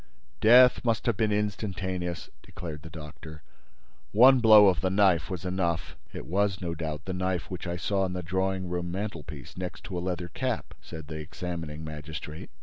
"Death must have been instantaneous," declared the doctor. "One blow of the knife was enough." "It was, no doubt, the knife which I saw on the drawing room mantelpiece, next to a leather cap?" said the examining magistrate.